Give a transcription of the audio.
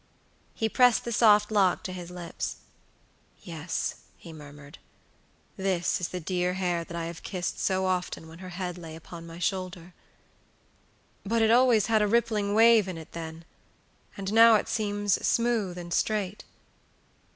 He pressed the soft lock to his lips. "Yes," he murmured; "this is the dear hair that I have kissed so often when her head lay upon my shoulder. But it always had a rippling wave in it then, and now it seems smooth and straight."